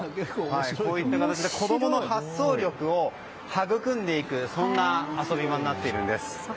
こういった形で子供の発想力を育んでいくそんな遊び場になっているんです。